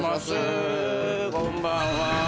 こんばんは。